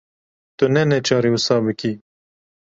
Tu ne neçarî wisa bikî.